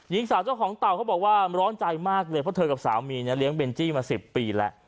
หญิงสาวเจ้าของเต่าเขาบอกว่าร้อนใจมากเลยเพราะเธอกับสามีเนี่ยเลี้ยเบนจี้มา๑๐ปีแล้ว